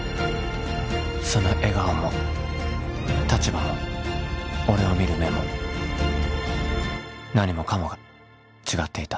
その笑顔も立場も俺を見る目も何もかもが違っていた